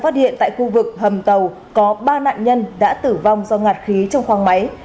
phát hiện tại khu vực hầm tàu có ba nạn nhân đã tử vong do ngạt khí trong khoang máy